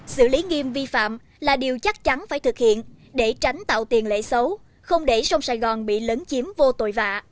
xử lý nghiêm vi phạm là điều chắc chắn phải thực hiện để tránh tạo tiền lệ xấu không để sông sài gòn bị lấn chiếm vô tội vạ